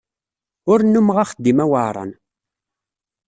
Ur nnumeɣ axeddim aweɛṛan.